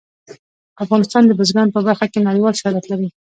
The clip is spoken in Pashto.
افغانستان د بزګان په برخه کې نړیوال شهرت لري.